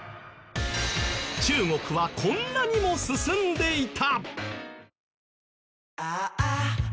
中国はこんなにも進んでいた！